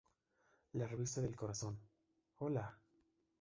La revista del corazón ¡Hola!